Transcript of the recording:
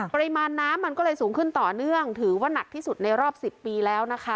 ปริมาณน้ำมันก็เลยสูงขึ้นต่อเนื่องถือว่านักที่สุดในรอบ๑๐ปีแล้วนะคะ